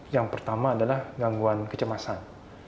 yang pertama adalah gangguan kecemasan